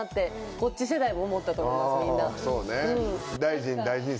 こっち世代も思ったと思いますみんな。